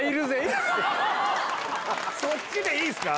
そっちでいいっすか？